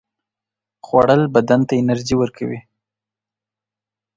خوړل بدن ته انرژي ورکوي